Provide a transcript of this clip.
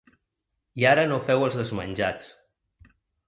I ara no feu els desmenjats.